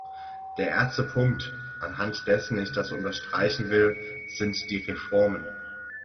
Der erste Punkt, anhand dessen ich das unterstreichen will, sind die Reformen.